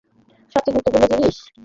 সবচেয়ে গুরুত্বপূর্ণ জিনিস?